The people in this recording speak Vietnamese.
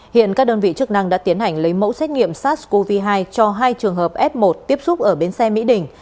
hiện các đơn vị chức năng đã tiến hành lấy mẫu xét nghiệm sars cov hai cho hai trường hợp f một tiếp xúc ở bến xe mỹ đình